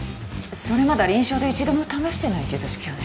それまだ臨床で一度も試してない術式よね？